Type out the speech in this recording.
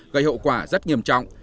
gây hậu quả rất nghiêm trọng